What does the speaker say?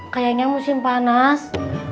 kayaknya musim panas